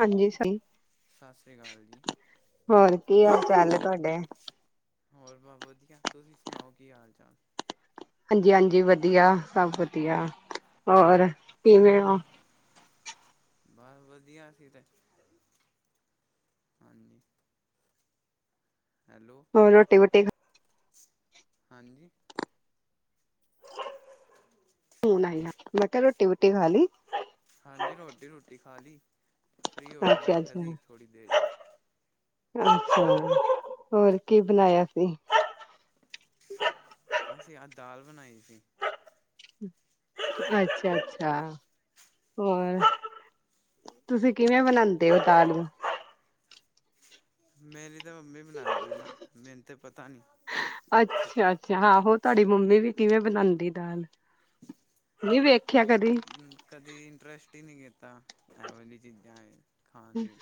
ਹਾਂਜੀ ਸ ਸਤਿ ਸ਼੍ਰੀ ਅਕਾਲ ਜੀ ਹੋਰ ਕੀ ਹਾਲ ਚਾਲ ਹੈ ਤੁਹਾਡੇ ਹੋਰ ਬਸ ਵਧੀਆ ਤੁਸੀਂ ਸੁਣਾਓ ਕੀ ਹਾਲ ਚਾਲ ਹਾਂਜੀ ਹਾਂਜੀ ਵਧੀਆ ਸਭ ਵਧੀਆ ਹੋਰ ਕਿਵੇਂ ਹੋ ਬਸ ਵਧੀਆ ਸੀ ਤੇ ਹਾਂਜੀ ਹੈਲੋ ਹੋ ਰੋਟੀ ਵੋਟੀ ਖਾ ਹਾਂਜੀ ਹੁਣ ਆਈ ਮੈਂ ਕਿਹਾ ਰੋਟੀ ਵਟੀ ਖੀ ਹਾਂਜੀ ਰੋਟੀ ਰੂਟੀ ਖਾ ਲਈ ਫ੍ਰਰੀ ਹੋ ਕੇ ਅੱਛਾ ਬੈਠਾ ਸੀ ਥੋੜ੍ਹੀ ਦੇਰ ਅੱਛਾ ਅੱਛਾ ਹੋਰ ਕੀ ਬਣਾਇਆ ਸੀ ਅਸੀਂ ਆਹ ਦਾਲ ਬਣਾਈ ਸੀ ਅੱਛਾ ਅੱਛਾ ਹੋਰ ਤੁਸੀਂ ਕਿਵੇਂ ਬਣਾਉਂਦੇ ਹੋ ਦਾਲੂ ਮੇਰੀ ਤਾਂ ਮੰਮੀ ਬਣਾਉਂਦੀ ਨਾ ਮੈਨੂੰ ਤੇ ਪਤਾ ਨੀ ਅੱਛਾ-ਅੱਛਾ, ਹਹੋ ਤੁਹਾਡੀ ਮੰਮੀ ਵੀ ਕਿਵੇਂ ਬਣਾਉਂਦੀ ਦਾਲ, ਨਹੀਂ ਵੇਖ- ਹੂੰ, ਕਦੀ ਇੰਟਰੇਸਟ ਹੀ ਨਹੀਂ ਕੀਤਾ, ਇਹੋ ਜੀ ਚੀਜ਼ਾਂ ਵਿਚ। ਖਾਣ ਦੀ,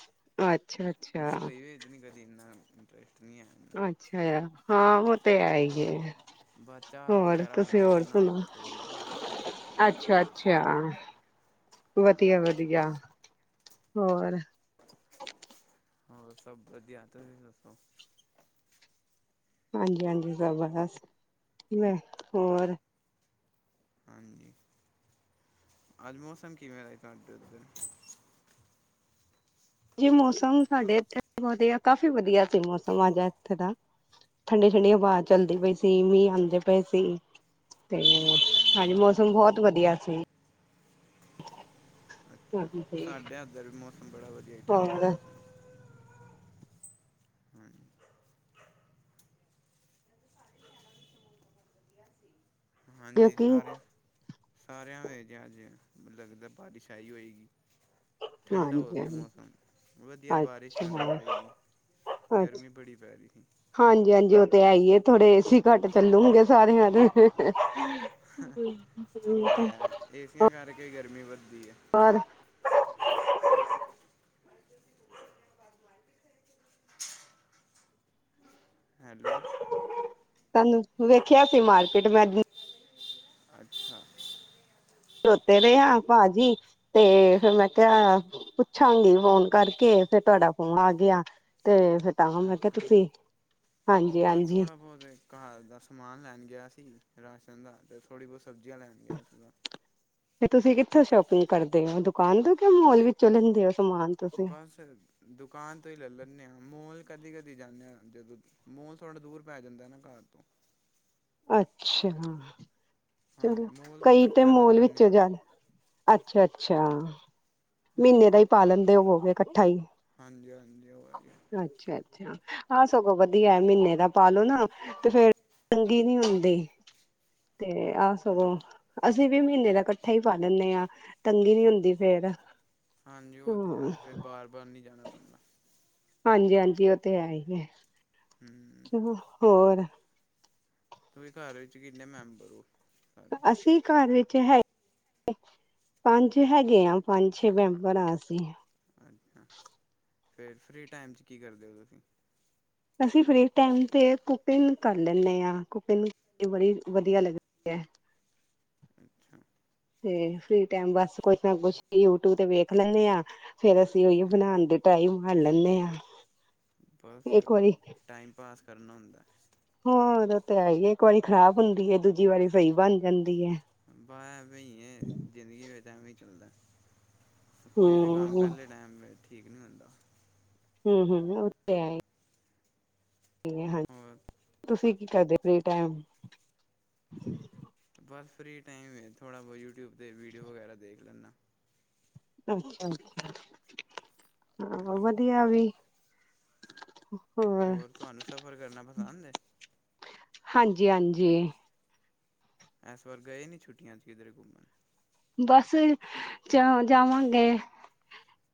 ਅੱਛਾ ਅੱਛਾ ਰਸੋਈ ਵਿੱਚ ਨੀ ਕਦੀ ਇੰਨਾ ਅਰੇ, [inaudible] ਅੱਛਾ, ਯਾ ਹਾਂ ਉਹ ਤੇ ਹੈ ਹੀ ਹੈ ਬਸ ਚਾਹ ਹੋਰ ਵਗੈਰਾ ਤੁਸੀਂ ਬਣਾ ਹੋਰ ਲੈਂਦਾ ਵਾ ਸੁਣਾਓ ਥੋੜ੍ਹੀ ਅੱਛਾ- ਅੱਛਾ। ਹਾਂ ਵਧੀਆ-ਵਧੀਆ, ਹੋਰ, ਹੋਰ ਸਭ ਵਧੀਆ, ਤੁਸੀ ਦੱਸੋ? ਹਾਂਜੀ-ਹਾਂਜੀ, ਸਭ [unintelligible] ਬਸ ਕਿਵੇਂ ਹੋਰ? ਹਾਂਜੀ ਅੱਜ ਮੌਸਮ ਕਿਵੇਂ ਦਾ ਹੈ ਤੁਹਾਡੇ ਉਧਰ- ਜੀ ਮੌਸਮ ਸਾਡੇ ਇਥੇ ਵਧੀਆ ਕਾਫੀ ਵਧੀਆ ਸੀ, ਮੌਸਮ ਅੱਜ ਇੱਥੇ ਦਾ ਠੰਡੀ- ਠੰਡੀ ਹਵਾ ਚੱਲਦੀ ਪਈ ਸੀ, ਮੀਂਹ ਆਂਦੇ ਪਏ ਸੀ। ਤੇ ਹਾਂਜੀ, ਮੌਸਮ ਬਹੁਤ ਵਧੀਆ। ਠੀ [unintelligible] ਸਾਡੇ ਐਦਰ ਵੀ ਮੋ- ਬੜਾ ਵਧੀਆ ਠੰਡਾ ਹੋਰ ਮੌਸਮ ਹਾਂਜੀ- ਹਾਂਜੀ, ਕਿਉਂਕਿ ਸਾਰੇ। ਸਾਰਿਆਂ ਦੇ ਜੇ ਅੱਜ ਲੱਗਦਾ ਬਾਰਿਸ਼ ਆਈ ਹੋਏਗੀ। ਠੰਡਾ ਹੋ ਗਿਆ ਹਾਂਜੀ-ਹਾਂਜੀ, ਮੌਸਮ ਵਧੀਆ ਬਾਰਿਸ਼ ਵੀ ਆਉਣੀ ਅੱਛਾ-ਅੱਛਾ, ਚਾਹੀਦੀ ਗਰਮੀ ਬੜੀ ਪੈ ਰਹੀ ਸੀ ਹਾਂਜੀ-ਹਾਂਜੀ, ਉਹ ਤੇ ਹੈਈਏ ਥੋੜੇ ਘੱਟ ਚੱਲੂਗੇ ਸਾਰਿਆਂ ਦੇ ਤੇ- ਤੇ ਉਹ ਤਾਂ ਹੈ ਏਸੀਆਂ [unintelligible] ਕਰਕੇ ਗਰਮੀ ਵੱਧਦੀ ਹੈ ਪਰ, ਹੈਲੋ, ਤੁਹਾਨੂੰ, ਵੇਖਿਆ ਸੀ ਮਾਰਕੀਟ ਮੈਂ ਅੱਛਾ, ਖਲੋਤੇ ਰਹੇ ਆ ਭਾਜੀ, ਤੇ ਫਿਰ ਮੈਂ ਕਿਹਾ ਪੁੱਛਾਂਗੀ ਫੋਨ ਕਰਕੇ ਤੇ ਤੁਹਾਡਾ ਫੋਨ ਆ ਗਿਆ ਤੇ ਫ ਤਾਂ, ਮੈਂ ਕਿਹਾ ਅੱਛਾ ਤੁਸੀਂ ਉਹ ਬਸ ਹਾਂਜੀ-ਹਾਂਜੀ। ਥੋੜ੍ਹਾ ਬਹੁਤ ਘਰ ਦਾ ਸਮਾਨ ਲੈਣ ਗਿਆ ਸੀ, ਰਾਸ਼ਨ ਦਾ ਤੇ ਥੋੜੀ ਬਹੁਤ- ਸਬਜ਼ੀਆਂ ਲੈਣ ਗਿਆ ਸੀਗਾ। ਤੇ ਤੁਸੀਂ ਕਿੱਥੋਂ ਸ਼ੋਪਿੰਗ ਕਰਦੇ ਹੋ? ਦੁਕਾਨ ਤੋਂ ਕੇ ਮੋਲ ਵਿੱਚੋਂ ਲੈਂਦੇ ਹੋ- ਸਮਾਨ ਤੁਸੀਂ ਬਸ ਦੁਕਾਨ ਤੋਂ ਹੀ ਲੈ ਲੇਨੇ ਆ ਮੋਲ ਕਦੀ-ਕਦੀ, ਜਾਂਦੇ ਹਾਂ ਜਦੋਂ ਮੌਲ ਥੋੜਾ ਦੂਰ ਪੈ ਜਾਂਦਾ ਹੇ ਨਾ ਘਰ ਤੋਂ ਅੱਛਾ। ਹਾਂਜੀ ਚੰਗਾ ਮੋਲ ਤੋਂ ਕਈ ਤੇ ਇਕੱਠਾ ਲੈ ਮੋਲ ਲੈਂਦੇ ਵਿੱਚੋਂ ਹਾਂ ਜਾ, ਅੱਛਾ-ਅੱਛਾ। ਮਹੀਨੇ ਹਾਂਜੀ ਦਾ ਹੀ ਪਾ ਲੈਂਦੇ ਹੋਵੋਗੇ। ਇਕੱਠਾ ਈ ਹਾਂਜੀ -ਹਾਂਜੀ ਉਹ ਵ ਹਾਂ ਸਗੋਂ ਵਧੀਆ ਮਹੀਨੇ ਦਾ ਪਾਲੋ ਨਾ ਤੇ ਫੇਰ ਤੰਗੀ ਨੀ ਹੁੰਦੀ ਤੇ ਆਹ ਸਗੋਂ ਹਾਂਜੀ ਅਸੀਂ ਵੀ ਮਹੀਨੇ ਦਾ ਇਕੱਠਾ ਹੀ ਪਾ ਦਿੰਨੇ ਹਾਂ, ਤੰਗੀ ਨੀ ਹੁੰਦੀ ਫੇਰ। ਹਾਂਜੀ ਉਹ ਤੇ ਹਾਂ ਹੈ, ਫਿਰ ਬਾਰ- ਬਾਰ ਨਹੀ ਜਾਣਾ ਪੈਂਦਾ। ਹਾਂਜੀ- ਹਾਂਜੀ ਉਹ ਤੇ ਹੈ ਹੀ ਹੈ। ਹਮ ਚਲੋ ਹੋਰ ਤੁਸੀਂ ਘਰ ਵਿੱਚ ਕਿੰਨੇ ਮੈਂਬਰ ਹੋ? ਸਾਰੇ ਅਸੀਂ ਘਰ ਵਿੱਚ ਹੈ ਪੰਜ ਹੈਗੇ ਆ, ਪੰਜ- ਛੇ ਮੈਂਬਰ ਹਾਂ ਅਸੀਂ। ਅੱਛਾ, ਫ਼ੇਰ ਫ੍ਰੀ ਟਾਈਮ ਚ ਕੀ ਕਰਦੇ ਹੋ ਤੁਸੀਂ। ਅਸੀਂ ਫ੍ਰੀ ਟਾਈਮ ਤੇ ਕੁਕਿੰਗ ਕਰ ਲੈਂਣੇ ਹਾਂ, ਕੁਕਿੰਗ ਬੜੀ ਵਧੀਆ ਲੱਗਦੀ ਹੈ। ਅੱਛਾ। ਤੇ ਫਰੀ ਟਾਈਮ ਬਸ ਕੁਛ ਨਾ ਕੁਛ ਯੂ ਟਿਊਬ ਤੇ ਵੇਖ ਲੈਂਦੇ ਆਂ। ਫੇਰ ਅਸੀਂ ਉਹੀਓ ਹਾਂਜੀ ਬਣਾਣ ਦੇ ਟਾਈਮ ਹੱਲ ਲੈਨੇ ਆਂ। ਬਸ ਟਾਈਮ ਪਾਸ ਕਰਨਾ ਹੁੰਦਾ। ਹਾਂ ਉਹਦਾ ਤੇ ਹੈ ਹੀ ਇੱਕ ਵਾਰੀ ਖ਼ਰਾਬ ਹੁੰਦੀ ਏ, ਦੂਜੀ ਵਾਰੀ ਸਹੀ ਬਣ ਜਾਂਦੀ ਹੈ ਬਾਹਰ ਵੀ ਐਈ ਏ, ਜ਼ਿੰਦਗੀ ਵਿੱਚ ਐਵੀਂ ਚੱਲਦਾ। ਕੋਈ ਵੀ ਕੰਮ ਹਮ ਪਹਿਲੇ ਟਾਈਮ ਬੈਠੇ ਠੀਕ ਨਹੀਂ ਹੁੰਦਾ। ਹੂੰ, ਹੂੰ ਉਹ ਤੇ ਹੈ ਈ। ਹੋਰ ਹਾਂਜੀ, ਤੁਸੀਂ ਕੀ ਕਰਦੇ ਫ੍ਰੀ ਟਾਈਮ ਬਸ ਫ੍ਰਰੀ ਟਾਈਮ ਥੋੜ੍ਹਾ ਬਹੁਤ ਯੂ ਟਿਊਬ ਤੇ ਵੀਡੀਓ ਵਗੈਰਾ ਦੇਖ ਲੈਂਣਾ। ਅੱਛਾ, ਅੱਛਾ। ਆਹੋ ਹਾਂਜੀ ਵਧੀਆ ਵੀ ਹੋ ਹੋਰ ਤੁਹਾਨੂੰ ਸਫ਼ਰ ਕਰਨਾ ਪਸੰਦ ਏ। ਹਾਂਜੀ, ਹਾਂਜੀ। ਐਸ ਵਾਰ ਗਏ ਨੀ ਛੁਟੀਆਂ ਚ ਕਿਧਰੇ ਘੁੰਮਣ। ਬਸ ਜਾਂ ਜਾਵਾਂਗੇ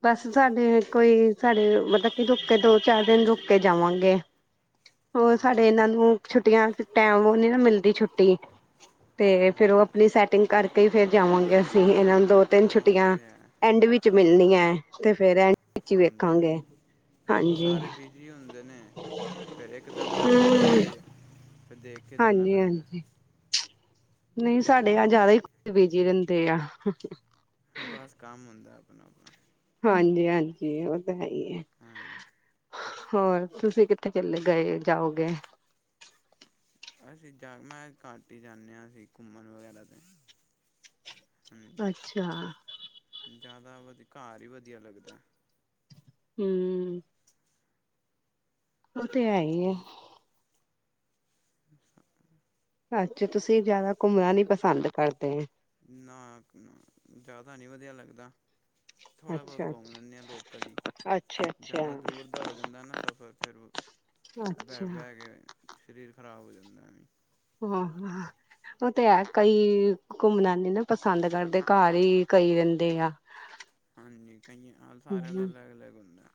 ਬਸ ਸਾਡੇ ਕੋਈ ਸਾਡੇ ਮਤਲਬ ਕਿ ਰੁਕ ਕੇ ਦੋ ਚਾਰ ਦਿਨ ਰੁਕ ਕੇ ਜਾਵਾਂਗੇ, ਹੋਰ ਹਾਂ ਸਾਡੇ ਇਹਨਾਂ ਉਹ ਨੂੰ ਛੁੱਟੀਆਂ ਟੈਮ ਉਹ ਨੀ ਨਾ ਮਿਲਦੀ ਛੁੱ ਤੇ ਫੇਰ ਹਾਂ ਉਹ ਆਪਣੀ ਸੈਟਿੰਗ ਕਰਕੇ ਫੇਰ [unintelligible] ਇਹਨਾਂ ਨੂੰ ਦੋ-ਤਿੰਨ ਹਾਂ ਉਹ ਛੁੱਟੀਆਂ ਤਾਂ ਹੈ ਐਂਡ ਵਿੱਚ ਮਿਲਣੀਆਂ ਐ। ਤੇ ਫੇਰ ਐ ਵਿੱਚ ਹੀ ਹਾਂਜੀ ਵੇਖਾਂਗੇ, ਹਾਂਜੀ ਹਾਂਜੀ। ਸਾਰੇ ਬਿਜ਼ੀ ਹੁੰਦੇ ਫਿਰ ਇਕ ਦਮ ਜਲ ਜਣਾਾ ਪਹਿ ਹੂੰ ਜੇ ਅਤੇ ਦੇਖ ਕੇ ਜਾਣਾ ਪੈਂਦਾ ਹਾਂਜੀ-ਹਾਂਜੀ ਨਹੀਂ ਸਾਡੇ ਆ ਜ਼ਿਆਦਾ ਹੀ ਕੁਜ ਬੀਜੀ ਰਹਿੰਦੇ ਆ। ਬਸ ਕੰਮ ਹੁੰਦਾ ਆਪਣਾ ਆਪਣਾ ਹਾਂਜੀ ਹਾਂਜੀ। ਖਈਏ ਹਾਂ ਹੋਰ ਤੁਸੀਂ ਕਿੱਥੇ ਚਲੇ ਗਏ ਜਾਓਗੇ ਅਸੀਂ ਜਾ ਮੈਂ ਘਾਟੀ ਜਾਂਦੇ ਹਾਂ ਅਸੀਂ ਘੁੰਮਣ ਵਗੈਰਾ ਤੇ ਅੱਛਾ। ਜਿਆਦਾ ਵਧ ਘਰ ਹੀ ਵਧੀਆ ਲੱਗਦਾ। ਹਮ। ਉਹ ਤੇ ਹੈ ਹੀ ਆ। ਅੱਛਾ। ਅੱਛਾ। ਤੁਸੀਂ ਜਿਆਦਾ ਘੁੰਮਣਾ ਨੀ ਪਸੰਦ ਕਰਦੇ ਹੈ। ਨਾ ਜਿਆਦਾ ਨੀ ਵਧੀਆ ਲੱਗਦਾ। ਥੋੜ੍ਹਾ ਬਹੁਤ ਅੱਛਾ ਘੁੰਮ ਅੱਛਾ ਲੈਂਦੇ ਆ ਲੋਕ ਕਦੀ ਅੱਛਾ ਜ਼ਿਆਦਾ ਅੱਛਾ ਦੂਰ ਦਾ ਹੋ ਜਾਂਦਾ ਨਾ ਸਫ਼ਰ ਫਿਰ ਬ ਅੱਛਾ ਬਹਿ ਕੇ ਸਰੀਰ ਖਰਾਬ ਹੋ ਜਾਂਦਾ ਉਹ ਤੇ ਹੈ ਕਈ ਘੁੰਮਣਾ ਨੀ ਨਾ ਪਸੰਦ ਕਰਦੇ ਘਰ ਹੀ ਕਈ ਰਹਿੰਦੇ ਆ ਕਈਆਂ ਆ ਹਮ ਸਾਰੇਿਆਂ ਦਾ ਅਲੱਗ ਅਲਗੁੰਦਾ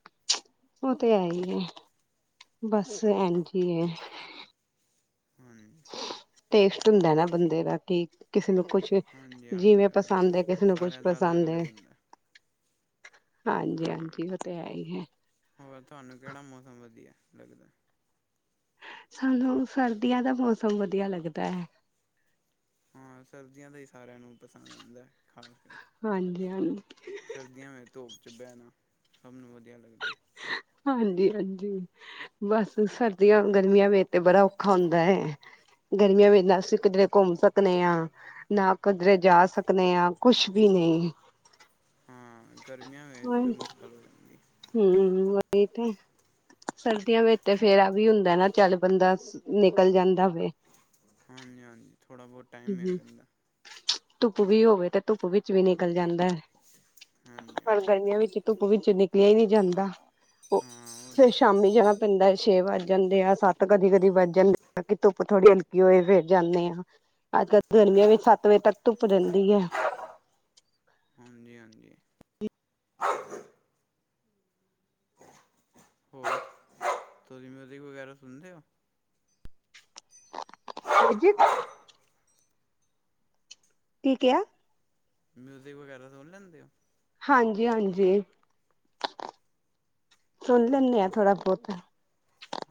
ਉਹ ਤੇ ਹੈ ਹੀ ਹੈ ਬਸ ਇਜੀ ਹੈ। ਹਾਂਜੀ। ਟੇਸਟ ਹੁੰਦਾ ਨਾ ਬੰਦੇ ਦਾ ਕੀ ਕਿਸੇ ਨੂੰ ਕੁਛ ਹਾਂਜੀ ਹਾਂਜੀ ਜਿਵੇਂ ਇਹ ਤੇ ਪਸੰਦ ਹੈ। ਕਿਸੇ ਨੂੰ ਕੁਛ ਸਾਰਿਆਂ ਦਾ ਅਲੱਗ ਪਸੰਦ। ਅਲੱਗ ਹੁੰਦਾ ਹਾਂਜੀ, ਹਾਂਜੀ। ਉਹ ਤੇ ਹੈ ਹੀ ਹੈ। ਹੋਰ ਤੁਹਾਨੂੰ ਕਿਹੜਾ ਮੌਸਮ ਵਧੀਆ [unintelligible] ਸਾਨੂੰ ਸਰਦੀਆਂ ਦਾ ਮੌਸਮ ਵਧੀਆ ਲੱਗਦਾ ਹੈ। ਹਾਂ ਸਰਬਜ਼ੀਆਂ ਦਾ ਸਾਰਿਆਂ ਨੂੰ ਪਸੰਦ ਆਉਂਦਾ ਖਾਣ ਪੀ ਜਾਂ ਨੂੰ ਸਰਦੀਆਂ ਵਿੱਚ ਧੂਪ ਚ ਬਿਆ ਨਾ ਸਭ ਨੂੰ ਵਧੀਆ ਲੱਗਦਾ। ਹਾਂਜੀ, ਹਾਂਜੀ ਬਸ ਸਰਦੀਆਂ ਗਰਮੀਆਂ ਵੇ ਤੇ ਬੜਾ ਔਖਾ ਹੁੰਦਾ ਹੈ ਗਰਮੀਆਂ ਵੇ ਨਾ ਅਸੀਂ ਕਿਧਰੇ ਘੁੰਮ ਸਕਦੇ ਹਾਂ ਨਾ ਕਿਧਰੇ ਜਾ ਸਕਦੇ ਹਾਂ ਕੁਛ ਵੀ ਨਹੀਂ ਹਾਂ ਗਰਮੀਆਂ ਵਿੱਚ ਮੁਸ਼ਕਿਲ ਹੋ ਜਾਂਦੀ। ਹਮ ਉਹੀ ਤੇ ਸਰਦੀਆਂ ਵਿੱਚ ਤੇ ਫੇਰਾ ਵੀ ਹੁੰਦਾ ਨਾ ਚੱਲ ਬੰਦਾ ਨਿਕਲ ਜਾਂਦਾ। ਵੇ ਹਾਂਜੀ, ਹਾਂਜੀ। ਥੋੜ੍ਹਾ ਬਹੁਤ ਟਾਈਮ ਮਿਲ ਜਾਂਦਾ। ਧੁੱਪ ਵੀ ਹੋਵੇ ਤੇ ਧੁੱਪ ਵਿੱਚ ਵੀ ਨਿਕਲ ਜਾਂਦੇ। ਹਾਂਜੀ ਪਰ ਹਾਂਜੀ ਗਰਮੀਆਂ ਵਿੱਚ ਧੁੱਪ ਵੀ ਵਿੱਚ ਨਿਕਲਿਆ ਹੀ ਨੀ ਜਾਂਦਾ। ਉਹ ਹਾਂ ਉਹ ਫੇਰ ਤੇ ਹੈ ਸ਼ਾਮੀ ਜਾਣਾ ਪੈਂਦਾ ਹੈ ਛੇ ਵਜੇ। ਜਾਂਦੇ ਆ ਸੱਤ ਕਦੀ ਕਦੀ ਵੱਜ ਜਾਂਦੇ ਆ ਕਿ ਧੁੱਪ ਥੋੜੀ ਹਲਕੀ ਹੋਏ ਫਿਰ ਜਾਂਦੇ ਆ। ਅੱਜ ਕੱਲ ਗਰਮੀਆਂ ਵਿੱਚ ਸੱਤ ਵਜੇ ਤੱਕ ਧੁੱਪ ਰਹਿੰਦੀ ਹੈ। ਹਾਂਜੀ ਹਾਂਜੀ। ਤੁਸੀ ਮਿਊਜ਼ਿਕ ਵਗੈਰਾ ਸੁਣਦੇ ਹੋ। ਹਾਜੀ। ਕੀ ਕਿਆ। ਮਿਊਜਿਕ ਵਗੈਰਾ ਸੁਣ ਲੈਂਦੇ ਹੋ। ਹਾਂਜੀ ਹਾਂਜੀ। ਸੁਣ ਲੈਂਦੇ ਆ ਅੱਛਾ ਥੋੜਾ ਬਹੁਤ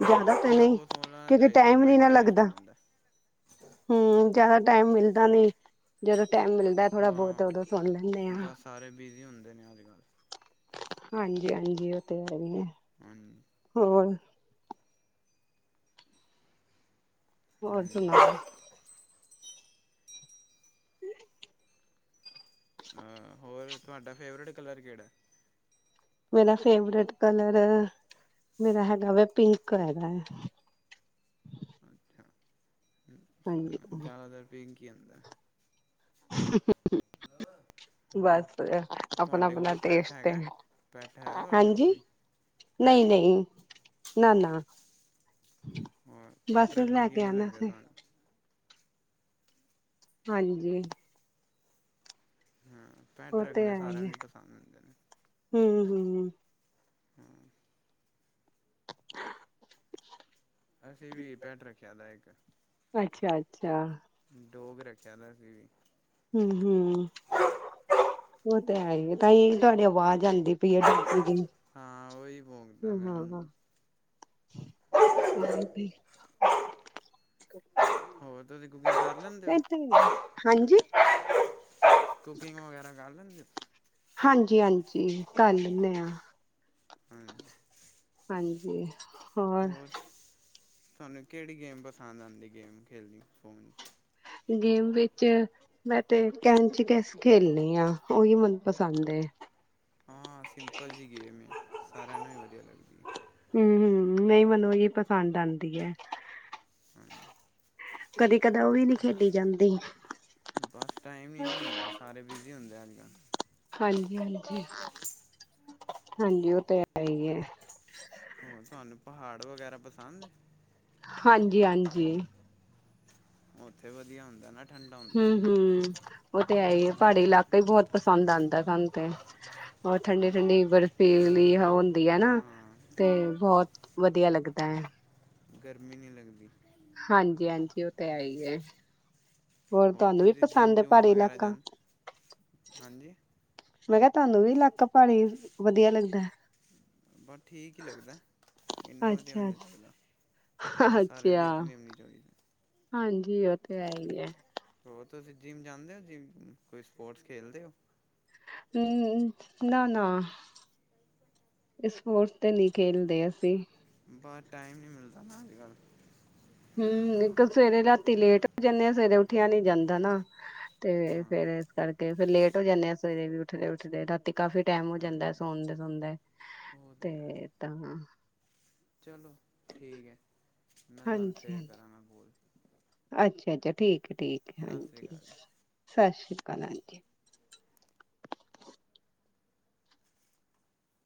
ਹਾਂ ਜ਼ਿਆਦਾ ਤਾਂ ਥੋੜ੍ਹਾ ਨਹੀਂ ਬਹੁਤ ਸੁਣ ਲੈਣਾ ਕਿਉਂਕਿ ਚਾਹੀਦਾ ਟਾਈਮ ਨੀ ਮਾਇੰਡ ਨਾ ਫਰੈਸ਼ ਹੋ ਲੱਗਦਾ ਜਾਂਦਾ ਹੂੰ ਜਿਆਦਾ ਟਾਈਮ ਮਿਲ ਇਦਾਂ ਨੀ ਜਦੋ ਟਾਈਮ ਮਿਲਦਾ ਥੋੜਾ ਬਹੁਤ ਹਾਂ ਉਦੋਂ ਸੁਣ ਲੈਂਨੇ ਹਾਂ। ਬਸ ਸਾਰੇ ਬਿਜ਼ੀ ਹੁੰਦੇ ਨੇ ਅੱਜ ਕੱਲ੍ਹ। ਹਾਂਜੀ ਹਾਂਜੀ ਉਹ ਤੇ ਹੈ ਹੀ ਹੈ। ਹਾਂਜੀ ਹੋਰ ਹੋਰ ਕੀ ਹਾਂਜੀ ਸੁਣਾਓ [unintelligible] ਅਹ ਹੋਰ ਤੁਹਾਡਾ ਫੇਵਰੇਟ ਕਲਰ ਕਿਹੜਾ। ਮੇਰਾ ਫੇਵਰੇਟ ਕਲਰ ਮੇਰਾ ਹੈੇਗਾ ਵਾ ਪਿੰਕ ਹੈਗਾ ਐ। ਅੱਛਾ ਹਾਂਜੀ ਜ਼ਿਆਦਾਤਰ ਪਿੰਕ ਹੀ ਹੁੰਦਾ ਐ। [unintelligible] ਹੋਰ ਬਸ ਆਪਣਾ ਤੁਹਾਡੇ ਕੋਲ ਆਪਣਾ ਕੋਈ ਪੈਟ ਟੇਸਟ ਤੇ ਹੈਗਾ ਪੈਟ ਹੈ ਤੁਹਾਡੇ ਕੋਲ ਹਾਂਜੀ ਕੋਈ ਨਹੀਂ ਪੈਟ ਨਹੀਂ, ਨਾ ਨਾ ਹੋਰ ਪੈਟ ਬਸ ਰੱਖਣੇ ਲੈ ਕੇ ਕਿਵੇਂ ਆਣਾ। ਲੱਗਦੇ ਤੁਹਾਨੂੰ ਹਾਂਜੀ। ਹਾਂ ਪੈਟ ਉਹ ਤੇ ਰੱਖਣੇ ਹੈ ਸਾਰਿਆਂ ਹੀ ਹੈ ਨੂੰ ਪਸੰਦ ਹੁੰਦੇ ਨੇ, ਹੂੰ ਹੂੰ। ਹੂੰ। [unintelligible] ਅਸੀਂ ਵੀ ਪੈਟ ਰੱਖਿਆ ਦਾ ਇੱਕ ਅੱਛਾ ਅੱਛਾ। ਡੋਗ ਰੱਖਿਆ ਅਸੀ ਵੀ। ਹੂੰ-ਹੂੰ, ਉਹ ਤੇ ਹੈ ਹੀ ਤਾਂ ਤੁਹਾਡੀ ਆਵਾਜ਼ ਜਾਂਦੀ ਪਈ ਆ ਡਰੀ ਦੀ, ਹਾਂ ਉਹੀ ਭੋਂਕਦਾ ਹਾਂ ਪਿਆ ਹਾਂ ਉਹਨੂੰ ਜਾਂਦੀ ਹੋਰ ਤੁਸੀਂ ਕੁਕਿੰਗ ਕਰ ਲੈਂਦੇ ਹੋ ਕੁਕਿੰਗ ਵਗੈਰਾ ਕਰ ਲੈਂਦੇ ਔ। ਹਾਂਜੀ ਹਾਂਜੀ ਕਰੱ ਲੈਨੇ ਆ। ਹਾਂਜੀ ਹਾਂਜੀ ਹੋਰ ਤੁਹਾਨੂੰ ਕਿਹੜੀ ਗੇਮ ਪਸੰਦ ਆਉਂਦੀ, ਗੇਮ ਖੇਲਣੀ ਫੋਨ ਗੇਮ ਵਿੱਚ ਮੈਂ ਤੇ ਕੈਨਚ ਕੈਸ ਖੇਲਣੀ ਆਂ, ਔ ਹੀ ਮੈਨੂੰ ਪਸੰਦ ਐ। ਹਾਂ ਸਿੰਪਲ ਜੀ ਗੇਮ ਹੈ। ਸਾਰਿਆਂ ਨੂੰ ਵੀ ਵਧੀਆ ਲੱਗਦੀ ਹੈ। ਹੂ ਹੂ ਨਹੀਂ ਮੈਨੂੰ ਏਹੀ ਪਸੰਦ ਆਉਂਦੀ ਹੈ। ਹਮ [unintelligible] ਕਦੇ ਕਦਾ ਔ ਵੀ ਨਹੀਂ ਖੇਡੀ ਜਾਂਦੀ। ਬਸ ਟਾਈਮ ਨੀ ਨਾ ਹੁੰਦਾ ਸਾਰੇ ਬ ਬਿਜ਼ੀ ਹੁੰਦੇ ਹੈ ਨਾ, ਅੱਜ ਕੱਲ ਹਾਂਜੀ ਹਾਂਜੀ ਹਾਂਜੀ, ਔ ਤੇ ਹੈ ਹੀ ਐ। ਹੋਰ ਤੁਹਾਨੂੰ ਪਹਾੜ ਵਗੈਰਾ ਪਸੰਦ ਨੇ। ਹਾਂਜੀ ਹਾਂਜੀ ਉੱਥੇ ਵਧੀਆ ਹੁੰਦਾ ਨਾ ਠੰਡਾ ਹੁੰਦਾ ਹੂ ਹੂ ਮੌਸਮ ਔ ਤੇ ਹੈ ਹੀ ਐ, ਪਹਾੜੀ ਇਲਾਕੇ ਬਈ ਬਹੁਤ ਪਸੰਦ ਆਉਂਦਾ ਸਨ ਤੇ। ਬਰ ਠੰਡੀ ਹਾਂਜੀ ਠੰਡੀ ਬਰਫ਼ ਹੁੰਦੀ ਹੁੰਦੀ ਹੈ ਨਾ ਹਾਂ ਤੇ ਬਹੁਤ ਵਧੀਆ ਲੱਗਦਾ ਹੈ। ਗਰਮੀ ਨਹੀਂ ਲੱਗਦੀ। ਹਾਂਜੀ ਹਾਂਜੀ ਉਹ ਤੇ ਹੈ ਹੀ ਐ। ਹੋਰ ਤੁਹਾਨੂੰ ਵੀ ਤੁਸੀਂ ਪਸੰਦ ਜਿੰਮ ਹੈ ਜੂਮ ਪਹਾੜੀ ਵਗੈਰਾ ਇਲਾਕਾ, ਜਾਂਦੇ ਹਾਂਜੀ ਮੈਂ ਕਿਹਾ ਤੁਹਾਨੂੰ ਵੀ ਇਲਾਕਾ ਪਹਾੜੀ ਵਧੀਆ ਲੱਗਦਾ ਐ। ਬਟ ਠੀਕ ਹੀ ਲੱਗਦਾ ਇੰਨਾ ਵਧੀਆ ਵੀ ਅੱਛਾ ਨਹੀਂ ਲੱਗਦਾ ਅੱਛਾ। ਬਸ ਸਾਰਿਆਂ ਦੀ ਅੱਛਾ ਆਪਣੀ ਆਪਣੀ ਚੋ ਹਾਂਜੀ ਉਹ ਤੇ ਹੈ ਹੀ ਹੈ। ਹੋਰ ਤੁਸੀਂ ਜਿੰਮ ਜਾਂਦੇ ਹੋ ਜਿਮ, ਕੋਈ ਸਪੋਰਟਸ ਖੇਲਦੇ ਹੋ। ਹੂ ਨਾ ਨਾ ਸਪੋਰਟਸ ਤੇ ਨਹੀਂ ਖੇਲਦੇ ਅਸੀਂ। ਬਸ ਟਾਈਮ ਨਹੀਂ ਮਿਲਦਾ ਨਾ, ਅਜ ਕੱਲ। ਹੂ ਇੱਕ ਸਵੇਰੇ ਰਾਤੀ ਲੇਟ ਹੋ ਜਾਂਦੇ ਆ ਸਵੇਰੇ ਉੱਠਿਆ ਨੀ ਜਾਂਦਾ ਨਾ। ਤੇ ਹਾਂ ਫੇਰ ਇਸ ਕਰਕੇ ਫਿਰ ਲੇਟ ਉਠ ਜਾਂਦੇ ਆਂ ਸਵੇਰੇ, ਵੀ ਉਠਦੇ ਉਠਦੇ ਰਾਤੀ ਕਾਫੀ ਟਾਈਮ ਹੋ ਜਾਂਦਾ ਹਾਂਜੀ ਸੌਨਦੇ ਸੁਨਦੇ, ਉਹ ਤਾਂ ਹੈ ਤੇ ਤਾਂ ਚਲੋ ਠੀਕ ਹੈ, ਮੈਂ ਤੁਹਾਨੂੰ ਹਾਂਜੀ ਫੇਰ ਹਾਂਜੀ ਕਰਾਂਗਾ ਫੋਨ। ਅੱਛਾ ਅੱਛਾ ਠੀਕ ਠੀਕ ਹਾਂਜੀ ਸਤਿ ਸ੍ਰੀ ਕੱਲ੍ਹ ਆਣਗੇ